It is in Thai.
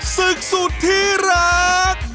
ศึกสุดที่รัก